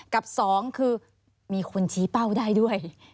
กับสองคือมีคนชี้เป้าได้ด้วย